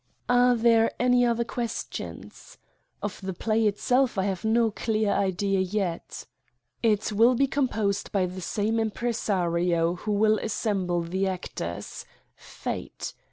Are there any other questions? Of the play it self I have no clear idea yet. It will be composed by the same impresario who will assemble the actors Fate.